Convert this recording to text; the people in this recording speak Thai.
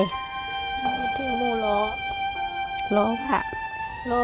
น้องลิ้นเป็นหนูล้อ